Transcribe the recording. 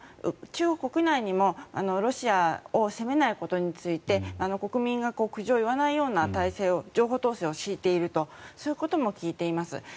中国国内にもロシアを責めないことについて国民が苦情を言わないような体制を情報統制を敷いているとそういうことも聞いています。